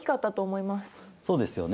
そうですよね。